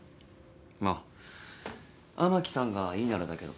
まあ雨樹さんがいいならだけど。